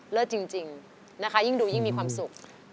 จริงนะคะยิ่งดูยิ่งมีความสุข